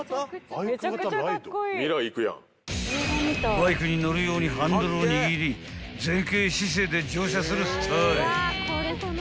［バイクに乗るようにハンドルを握り前傾姿勢で乗車するスタイル］